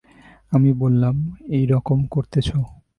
আমি বললাম, এই রকম করতেছ।